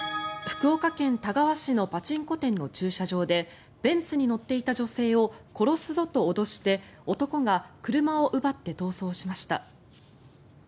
福岡県田川市のパチンコ店の駐車場でベンツに乗っていた女性を殺すぞと脅して男が車を奪って逃走しました。